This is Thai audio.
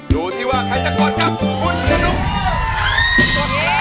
ดูสิว่าใครจะกดกับคุณชนุก